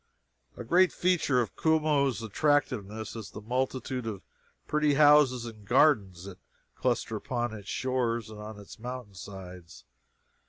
A great feature of Como's attractiveness is the multitude of pretty houses and gardens that cluster upon its shores and on its mountain sides.